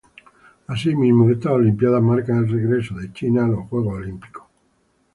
Asimismo, estas olimpiadas marcan el regreso de China a los juegos Olímpicos.